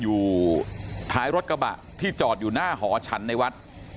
อยู่ท้ายรถกระบะที่จอดอยู่หน้าหอฉันในวัด